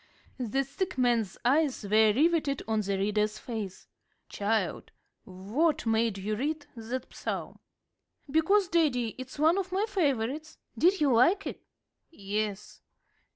The sick man's eyes were riveted on the reader's face. "Child, what made you read that Psalm?" "Because, daddy, it's one of my favorites. Did you like it?" "Yes."